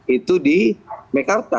itu di mekarta